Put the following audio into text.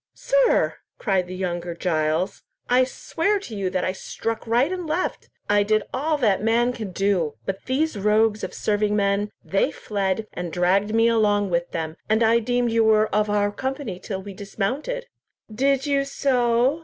"Sir," cried the younger Giles, "I swear to you that I struck right and left. I did all that man could do, but these rogues of serving men, they fled, and dragged me along with them, and I deemed you were of our company till we dismounted." "Did you so?